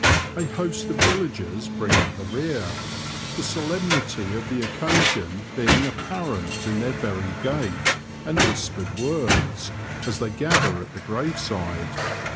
A host of CHARACTERISTICS AND DIALECT. 263 villagers bring up the rear, the solemnity of the occasion being apparent in their very gait and whispered words, as they gather at the grave side.